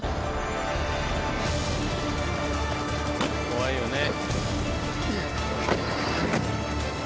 怖いよね。